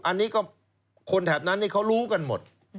อันนี้ก็คนแถบนั้นเขารู้กันหมด